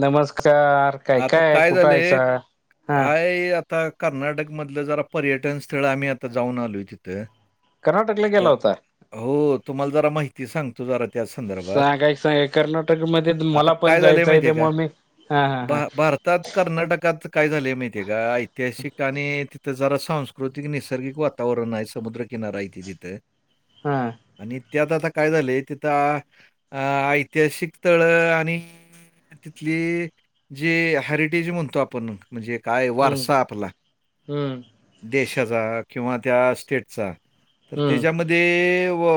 नमस्कार काय आता काय कुठं यायच झालंय, हा काय आता कर्नाटक मधलं जरा पर्यटन स्थळ आम्ही आता जाऊन आलो तिथे कर्नाटक ला गेला होता हो तुम्हाला जरा माहिती सांग तुझारा त्या संदर्भात सांगाय सांगाय कर्नाटक मध्ये आता मला पण काय झालंय जायचं माहितीय आहे का त्यामुळे मी हा हा हा भारतात कर्नाटकात काय झालेय माहितीय आहे का ऐतिहासिक आणि तिथं जरा संस्कृ प्रकृतिक नैसर्गिक वातावरण आहे समुद्र किनारा आहे की तित. हा. आणि त्यात आता काय झालंय तिथं अ ऐतिहासिक स्थळ आणि तिथली जे हॅरिटेज म्हणतो आपण म्हणजे काय हम्म वारसा आपला हम्म देशाचा किंवा त्या स्टेटचा तर हम्म त्याच्याम ते वो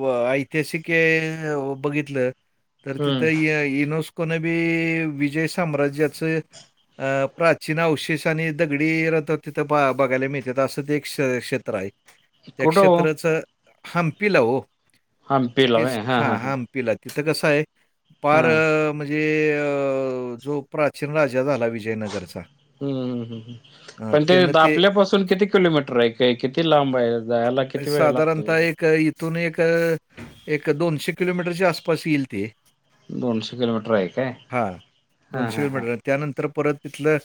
व ऐतिहासिक हे बघितलं तर तिथं हम्म यनोस्कोन बी विजय साम्राज्याचं अ प्राचीन अवशेष आणि दगडी रथ तिथं बघायला मिळत असं ते एक क्षेत्र हाय. त्या कुठं हो क्षेत्राच हम्पीला ओ तेच हा हमप पिला तिथं कस हाय पार हा म्हणजे अ जो प्राचीन राजा झाला विजयनगरचा. हम्म हम्म हम्म. अ, पण ते त्यानं आपल्यापासून किती किलोमीटर हाय का किती लांब हाय? साधारणतः एक इथून एक एक दोनशे किलोमीटरच्या आसपास येईल ते दोनशे किलोमीटर हाय काय. हां, हा हा हा. किलोमीटर. त्यानंतर परत तिथलं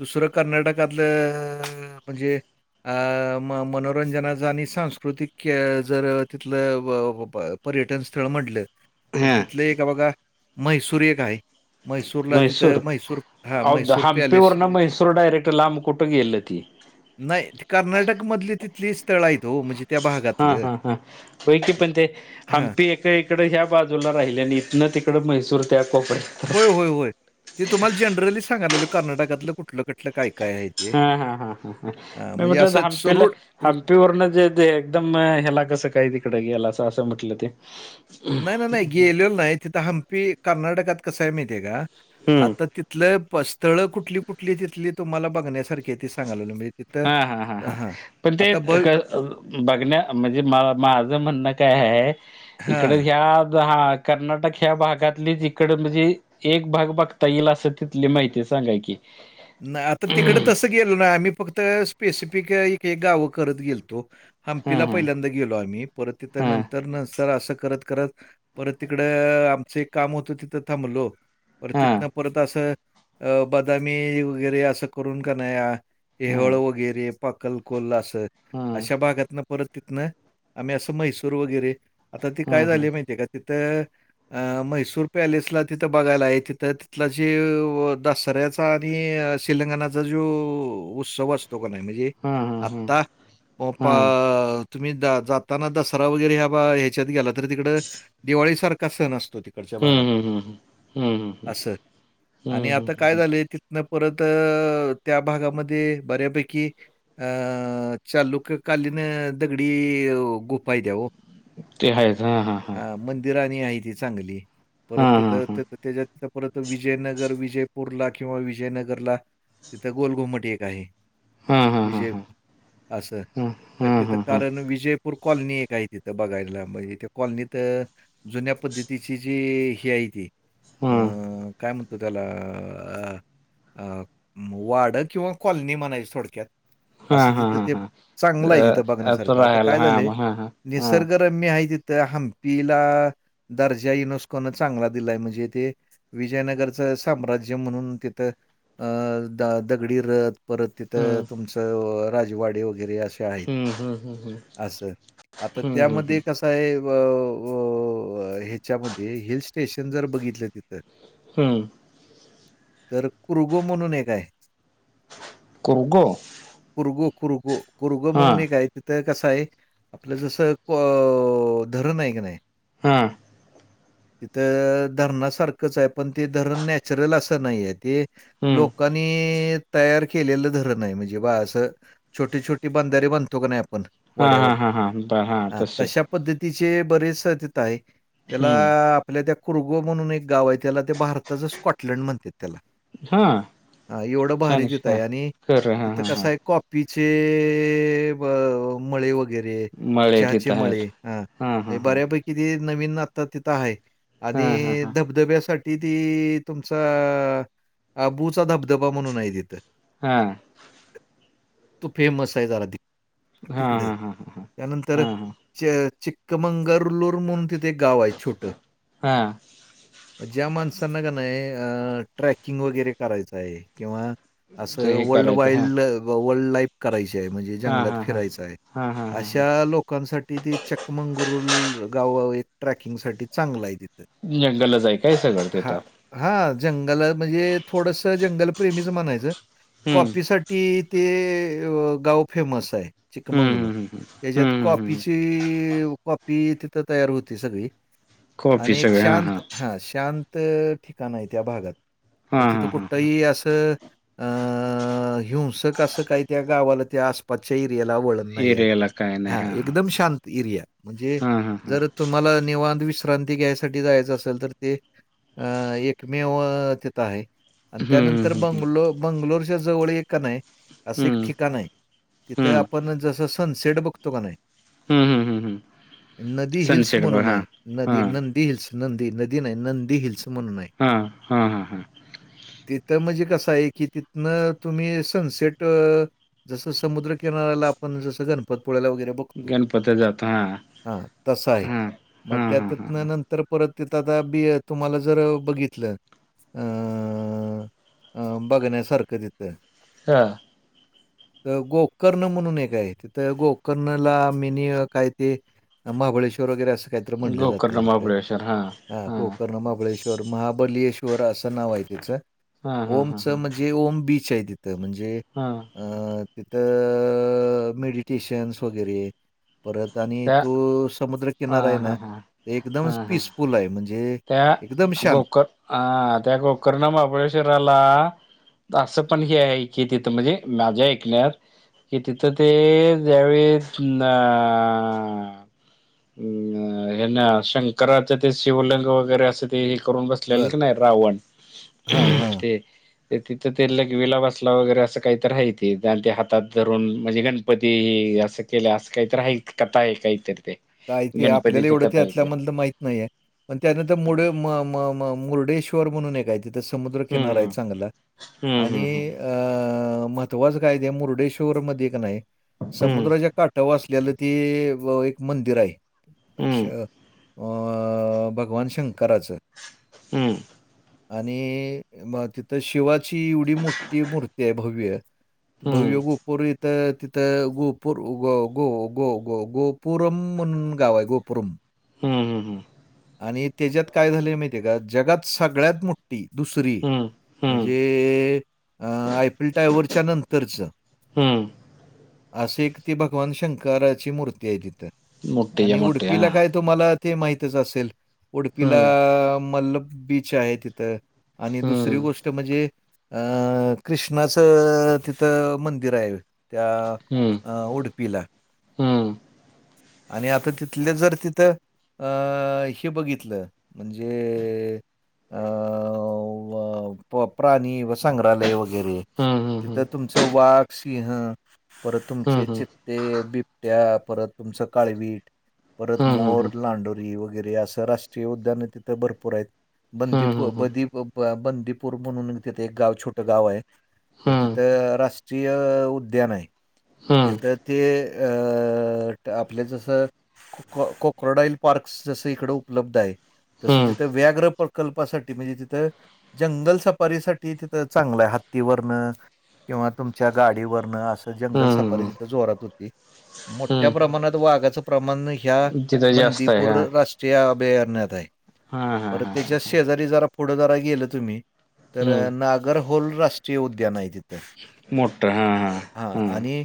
दुसरं कर्नाटकातलं अं म्हणजे अं मनोरंजना ज सांस्कृतिक जर तिथलं पर्यटन स्थळ म्हटलं तर हा तिथले एक बघा म्हैसूर एक हाय. म्हैसूरला तिथं म्हैसूर हा अहो मैसूर पॅलेस हंपीवरन म्हैसूर डायरेक्ट लांब कुठं गेलं ती नाही कर्नाटक मधली तिथली स्थळ हायत ओ. हा हा हा. व्हय की पण ते हां. हम्पी इकड ह्या बाजूला राहिल आणि इथनं तिकड म्हैसूर त्या कोपड्या होय होय होय. ते तुम्हाला जनरली सांगा लागलोय कर्नाटकातलं कुठलं कुठलं काय काय हाय. हा हा हा हा ह. मी म्हटलं हम्पी ला सुरूळ रु हम्पी वरण जे ते एकदम ह्याला कसं काय तिकड गेला अस असं म्हटलं ते. नाही नाही नाही. गेलेलो नाही तिथं हंपी कर्नाटकात कसं आहे माहिती आहे का हम्म आता ति तिथलं स्थळ कुठली कुठली तिथली तुम्हाला बघण्यासारखी ती सांगा लागलो. तिथं हा हा हा हा. हां. पण ते आता बघ बघण्या म्हणजे माझं म्हणणं काय आहे हां. इकडे ह्या कर्नाटक ह्या भागातली जिकड म्हणजे एक भाग बघता येईल असं तिथली माहिती सांगा की? नाही. आता तिकड तसं गेलो नाही आम्ही फक्त स्पेसिफिक एक गावं करत गेलतो. हा हम्पी ला हा पहिल्यांदा गेलो आम्ही. परत तिथं हा नंतर असं करत करत परत तिकडं आमचं एक काम होतं तिथं थांबलो. पर हा तिथनं परत असं अ बदामी वगैरे असं करून क नाही हेवळ हा वगैरे पाकल कोल्ला अस, हा अशा भागात न परत तिथन आम्ही असं म्हैसूर वगैरे आता ती हम्म काय हम्म झाली माहितीे का तिथं अ म्हैसूर पॅलेसला तिथं बघायला आहे. तिथं तिथला जे दसऱ्याचा णी शीलंगणाचा जो उत्सव असतो का नाही म्हणजे हम्म आता मोपा हम्म तुम्ही द जाताना दसरा वगैरे ह्या बा ह्याच्यात गेला तर तिकडं दिवाळीसारखा सण असतो ते. कडच्या हम्म भागात हम्म हम्म हम्म हम्म असं हम्म आणि हम्म आता हम्म काय हम्म झालय न परत त्या भागामध्ये बऱ्यापैकी अ चालुक कालीन दगडी गुफा हायत्या ओ. ते आहेच. हा हा हा. मंदिरआणि हायती चांगली परत हा तिथ हा त्याच्यात तिथ परत विजयनगर विजयपूरला किंवा विजयनगरला तिथं गोलघुमट एक आहे. हा हा हा हा विजय हा अससर हम्म तर हम्म तिथं हम्म हम्म कारण विजयपूर कॉलनी एक आहे तिथं बघायला म्हणजे त्या कॉलनीत. जुन्या पद्धतीची जी ही आहे ती अ हम्म काय म्हणतो त्याला. अ वाड किंवा कॉलनी म्हणायची थोडक्यात हा असं हा तिथं हा ते हा चांगलं आहे तिथं अ तो बघण्यासारखं आता राहायला काय हा झालं मग हा हा हा निसर्ग. तर मी आहे तिथं हम्पीला दर्जा युनोस्कोन चांगला दिलाय म्हणजे ते. विजयनगरचं साम्राज्य म्हणून. अ द दगडी रत परत तिथं हम्म तुमचं राजवाडे वगैरे हम्म हम्म हम्म हम्म आ हम्म हम्म त्यामध्ये क साहेब ह्याच्यामध्ये हिल स्टेशन जर बघितलं तिथं. हम् तर कुृगो म्हणून एक आहे. कररगो कुरगु कुरगो कुरग म्हणून हे गायच. तर कसं आहे आपलं जसं धरण ऐ क नाही. हम तिथं धरणासारखंच आहे पण ते धरण नॅचरल असं नाहीय त हम्म लोकांनी. तयार केलेलं धरण आहे म्हणजे बा असं छोटे छोटे बांधारे बांतो का नाही. प हा हा वड्यावर हा हा बर हा ह तसे तशा पद्धतीचे बरेचेत आहे त्या. हम्म आपल्या त्या कुरगो म्हणून एक गाव आहे त्याला ते भारताचं स्कॉटलंड म्हणतात त्याला हा हा एवढं भारी छान तेत हा आहे आणि खरं हा तिथं हा हा कसा आहे? कॉपीचे मळे वगैरे. वैे मळे चहाचे तिथं मळे आहेत हा हा हा बऱ्यापैकी किती नवीन आता तिथं आहे हा हा आणि हा धबधब्यासाठी ती ती तुमचाबुचा धबधबा म्हणून आहे तिथं. हा तो फेमस आहे जरा हा तिकड हा हा हा त्यानंतर हा हा चिककमंगरलूर म्हून तिथं एक गाव आहे छोट हा ज्या माणसना गण आहे अ ट्रॅकिंग वगैरे करायचं आहे किंवा ते असं हे वर्ल्ड करायचं हा वाईल्ड वर्ल्ड लाईफ. करायची आहे म्हणजे हा जंगलात हा हा फिरायच आहे हा हा हा हा अशा लोक लोकांसाठी ते चकमंगुरुल गाव एक ट्रॅकिंग साठी चांगलं आहे तिथ. जंगलला जाय काय सगळ ते आता हा जंगल म्हणजे थोडस जंगलप्रेमीच म्हणायचं हम्म कॉपीसाठी, ती ते गाव फेमस आहे हम्म चिक्मंगळूर हम्म हम्म त्याच्यात हम्म हम्म हम्म कॉफीची कॉ पी तिथं तयार होती सगळी कॉफी आणि एक सगळे हा शांत हा शांत ठिकाण आहे त्या भागात हा तिथं हा हा हा कुठही असं अ हिंसक असं काही त्या गावाला त्या आसपासच्या इर्याला ओलख एरियाला काय नाही हा एकदम शांत इर्या म्हणजे हा हा हा जर तुम्हाला निवांत विश्रांती क्रांती घ्यायसाठी जायच असेल तर ते अ एकमेव तिथं आहे आणि हम्म त्यानंतर हम्म बंगलो बंगलोरच्या जवळ एक नाही असं एक हम्म हम्म ठिकाण आहे तिथं हम्म आपण जसं सनसेट बघतो का नाही हम्म हम्म हम्म हम्म नदी हिल्स सनसेट बघ म्हणून हा आहे हा नदी हिल्स नंदी नदी नाही नंदी हिल्स म्हणून हा हा हा हा तिथं म्हणजे कसं आहे की तिथनं तुम्ही सनसेट जसं समुद्रकिनाऱ्याला आपण जसं गणपतपोळ्याला वगैरे बघ गणपती जातो हा हा तस आहे, हा मग हा हा हा हा त्यांतर परत तथ आता बी तुम्हाला जर बघितलं. अ अ बघण्यासारखं तिथं. हां. [unintelligible] तर गोकर्ण म्हणून एक आहे, तिथं गोकर्णला मीनी काय ते महाबळेश्वर वगैरे असं काहीत म्हणलं गोकर्ण जातं तिथ, महाबळेश्वर हा कोकण महाबळेश्वर महाबश्वर असं नाव आहे तिचं हा हा हा ओमचं म्हणजे ओम बीच आहे तिथ तर म्हणजे हम! अ तिथं मेडिटेशन्स वगैरे, परत आणि त्या तो समुद्र हा किनारा आहे हा ना हा एकदम हा हा पीसफुल आहे म्हणजे त्या एकदम शांत. गोकर हा त्या कोककर ना महाबळेश्वरला असं पण हे आहे की तिथं, म्हणजे माझ्या ऐकण्यात कि तिथं ते ज्यावेळेस ना हम! हे ना शंकराच ते शिवलिंग वगैरे असे, ते हे करून बसलेलं बरं. की नाही रावण हां, हां. ते तिथं ते लग विला बसला वगैरे असं काही तर आहे, ते ते हातात धरून म्हणजे गणपती असं केले असं काहीत ह कथाय काहीतर ते. काय ते आपल्याला गणपतीची एवढं ते कथा आहे त्यातल्यामधलं माहीत नाहीय. म त्यानंतर म म -मुर्डेश्वर म्हणून हे आहे. तिथे समुद्रकिनारा आहे हम्म चांगला हम्म आणि हम्म अ महत्त्वाच कायदे मुर्डेश्वर मध्ये एक नाही, समुद्राच्या हम्म काठर वस्ल्याला ते एक मंदिर आहे. अच्छा! अ भगवान शंकराचं, हमं! आणि म तिथं शिवाची एवढी मोठी मूर्ती आहे भव्य भव्य हम्म गोपूर इथं तिथं गोपूर गो -गो -गो पुरम म्हणून गाव आहे घोपुरम. हम, हम, हं. आणि त्याच्यात काय झाले माहिती आहे का, जगात सगळ्यात मोठी दुसरी हम्म हम्म म्हणजे ते आयपील टायवरवरच्या नंतरच हम्म! असे एक ती भगवान शंकराची मूर्ती आहे तिथं. मोठीच्या आणि मोठी उडपीला हा काय तुमला ते माहितच असेल, उडपीला हम्म मल्लब बीच आहे तिथं. आणि दुसरी हम्म गोष्ट म्हणजे, अ कृष्णाचं तिथं मंदिर आहे त्या हम्म अ उडपिला. हम्म आणि आता तिथले जर तिथं अ हे बघितलं म्हणजे अ व प्र प्राणी व संग्रहालय वगैरे हम. तिथं तुमचं वाघ, सिंह, परत हम्म तुमचे हम्म चित्ते, बिबट्या, परत तुमचं काळवीट, परत मोर, हम्म लांडोरी, वगैरे अस राष्ट्रीय उद्यान तिथ भरपूर आहेत, बंदी हम्म हम्म हम्म हम्म हम्म ब ब बंदीपूर म्हणून तिथे एक गाव छोटं गाव आहे. तर तिथं रा [unintelligible] उद्यान आहे हम्म तथ ते अ तर आपल्या जसं कोक कोक्रोडाइल पार्कस जसं इकडं उपलब्ध हाय. तसं तिथं व्याग्र प्रकल्पासाठी म्हणजे तिथं जंगल सफारीसाठी तिथं चांगलं हत्तीवरण किंवा तुमच्या गाडीवरन अस. जंगल हम्म सपारी हम्म तिथ जोरात होती मोठ्या हम्म प्रमाणात वाघाचं प्रमाण नाही ह्या तिथं जास्त आहे बंदीपूर हा. राष्ट्रीय अभियानात आहे हा हा पर हा हा. त्याच्या शेजारी जरा पुढजरा गेलं तुम्ही तर हम्म. नागर होल राष्ट्रीय उद्यान आहे तिथ हा आणि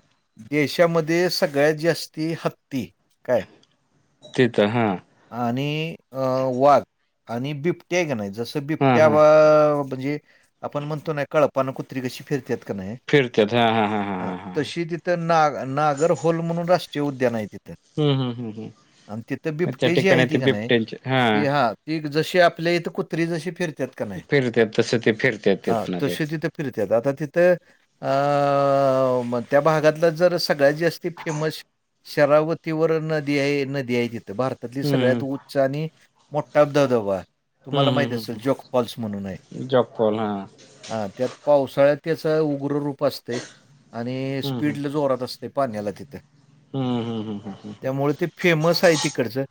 देशामध्ये सगळ्यात जास्ती हत्ती काय तिथं हा. आणि वाघ आणि बिबट्या हायका नाही जस हा बिबट्या हा वाघ म्हणजे आपण म्हणतो ना कळपान कुत्री कशी फिरत्यात कनाय हा तशी तिथं नाग, नागर होल म्हणून राष्ट्रीय उद्यान आहे तिथं हम्म हम्म हम्म हम्म. आणि तिथ मग त्या बिबट्या जी आहे ठिकाणी ती ते का नाही बिबट्यांचे ती हा ती जशी आपल्या इथं कुत्री जशी फिरत्यात फिरत्यात तस ते फिरत्यात तिथंन ते. फिरत्यात आता तिथं आ म त्या भागातलं जर सगळ्यात जास्ती फेमस शरावतीवर नदी आहे नदी आहे तिथं भार त्यातिल हम्म सगळ्यात उच्च आणि मोठा धबधबा हम्म तुम्हाला माहित असल जोक फॉल्स म्हणून हाय. हो ना. हा त्यात पावसाळ्यात त्याच उग्र रूप असतय. आणि हम्म हम्म. स्पीड लय जोरात असतय पाण्याला तिथ. हम्म, हम्म, हम्म, हम्म. त्यामुळे ते फेमस आहे तिकडचं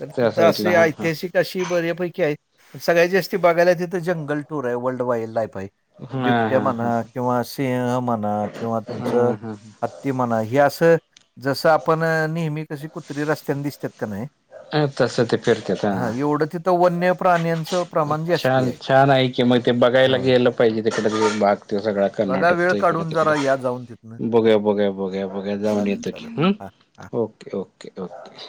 तर त्या तिथं असं साईडला हा हा. ऐतिहासिक अशी बऱ्यापैकी आहेत सगळ्यात जास्ती बघायला तिथे जंगल टूर आहे वर्ल्ड, वाईल्ड लाईफ आहे हा बिबट्या हा हा म्हणा किंवा सिंह म्हणा किंवा हा तुमचं हा ते म्हणा हे असं जस आपण नेहमी कशी कुत्री रस्त्यांना दिसत्यात का नाही हा तसं ते फिरत्यात हा एवढं तिथं वन्य प्राण्यांचं प्रमाण जास्ती छान हाय. छान आहे की मग ते बघायला गेलं पाहिजे तिकडे त बाग तो सगळ बघा वेळ कर्नाटकचा इकड, काढून तिकड. जरा या जाऊन तिथनं बघूया, बघूया, बघूया, बघूया जाऊन चालेल येतो की चालेल हम्म हा हा ओके, ओके, ओके